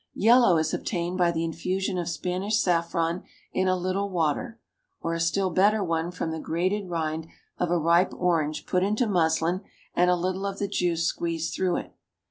Yellow is obtained by the infusion of Spanish saffron in a little water, or a still better one from the grated rind of a ripe orange put into muslin, and a little of the juice squeezed through it.